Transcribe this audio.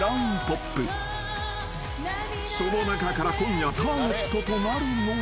［その中から今夜ターゲットとなるのは］